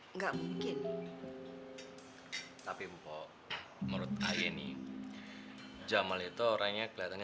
enggak mungkin tapi mpok menurut ayah nih jamal itu orangnya kelihatannya